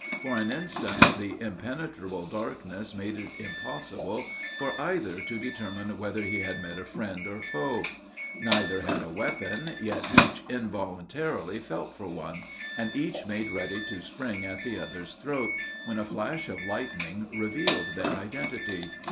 For an instant the impenetrable darkness made it impossible for either to determine whether he had met a friend or foe: neither had a weapon, yet each involuntarily felt for one, and each made ready to spring at the other's throat, when a flash of lightning revealed their identity.